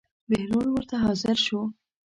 بهلول ورته حاضر شو.